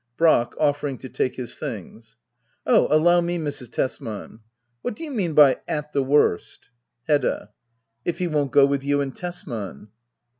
Brack. {Offering to take his things.] Oh, allow me, Mrs. Tesman !— What do you mean by '*At the worst "? Hedda. If he won't go with you and Tesman.